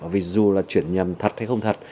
vì dù là truyền nhầm thật hay không thật